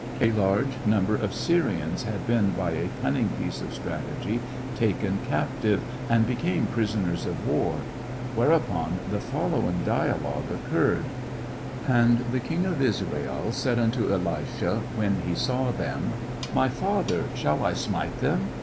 A large number of Syrians had been by a cunning piece of strategy taken captive, and became prisoners of war, whereupon the following dialogue occurred : And the King of Israel said unto Elisha, when he saw them, my father shall I smite them